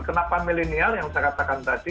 kenapa milenial yang saya katakan tadi